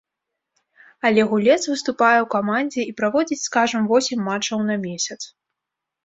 Але гулец выступае ў камандзе і праводзіць, скажам, восем матчаў на месяц.